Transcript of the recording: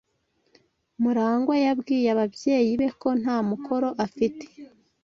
Murangwa yabwiye ababyeyi be ko nta mukoro afite.